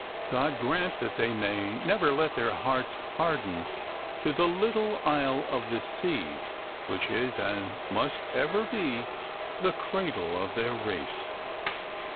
God grant that they may never let their hearts harden to the little isle of the sea, which is and must ever be the cradle of their race.